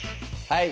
はい。